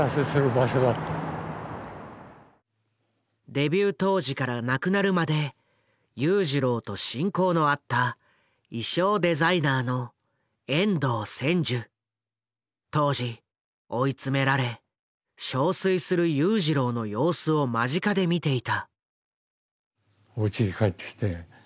デビュー当時から亡くなるまで裕次郎と親交のあった当時追い詰められ憔悴する裕次郎の様子を間近で見ていた。